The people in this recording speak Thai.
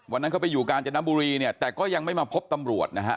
วันนั้นเขาไปอยู่กาญจนบุรีเนี่ยแต่ก็ยังไม่มาพบตำรวจนะฮะ